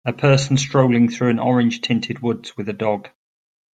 A person strolling through an orange tinted woods with a dog.